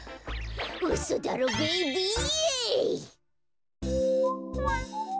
うそだろベイビー！